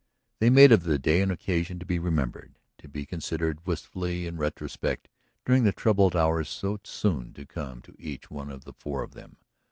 They made of the day an occasion to be remembered, to be considered wistfully in retrospect during the troubled hours so soon to come to each one of the four of them.